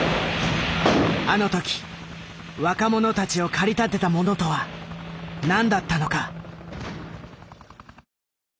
あの時若者たちを駆り立てたものとは何だったのか。